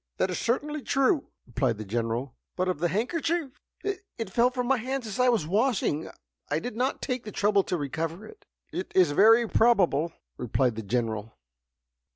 "That is certainly true," replied the General. "But of the handkerchief?" "It fell from my hands as I was washing, and I did not take the trouble to recover it." "It is very probable!" replied the General.